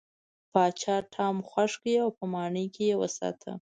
پاچا ټام خوښ کړ او په ماڼۍ کې یې وساته.